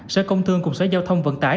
sở công thương cùng sở giao thông vận tải